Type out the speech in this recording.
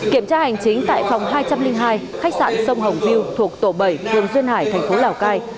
kiểm tra hành chính tại phòng hai trăm linh hai khách sạn sông hồng viêu thuộc tổ bảy phường duyên hải thành phố lào cai